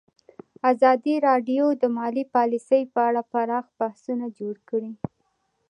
ازادي راډیو د مالي پالیسي په اړه پراخ بحثونه جوړ کړي.